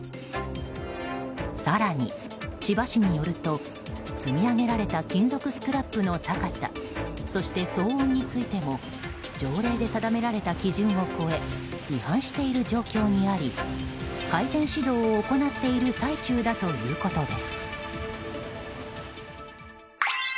更に、千葉市によると積み上げられた金属スクラップの高さそして騒音についても条例で定められた基準を超え違反している状況にあり改善指導を行っている最中だということです。